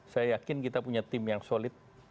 saya yakin kita punya tim yang solid